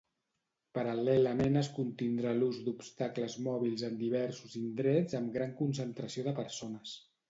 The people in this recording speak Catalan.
Paral·lelament es contindrà l'ús d'obstacles mòbils en diversos indrets amb gran concentració de persones.